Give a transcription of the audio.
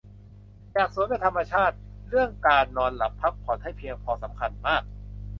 อยากสวยแบบธรรมชาติ เรื่องการนอนหลับพักผ่อนให้เพียงพอสำคัญมาก